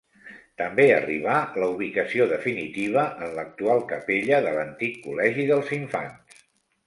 També arribà la ubicació definitiva en l'actual Capella de l'antic Col·legi dels Infants.